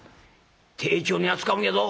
丁重に扱うんやぞ。